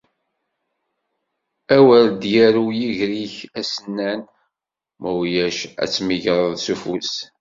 Awer d-yarew yiger-ik asennan, ma ulac ad t-tmegreḍ s ufus.